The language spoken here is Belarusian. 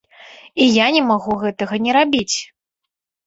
І я не магу гэтага не рабіць.